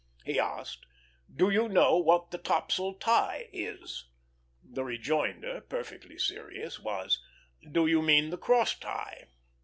He asked: "Do you know what the topsail tie is?" The rejoinder, perfectly serious, was: "Do you mean the cross tie?"